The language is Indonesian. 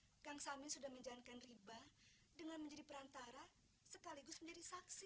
hai kang samin sudah menjalankan riba dengan menjadi perantara sekaligus menjadi saksi